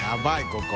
ここ。